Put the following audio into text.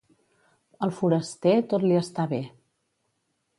Al foraster, tot li està bé.